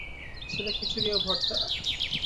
ছেলে খিচুড়ি ও ভর্তা।